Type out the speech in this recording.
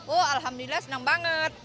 oh alhamdulillah senang banget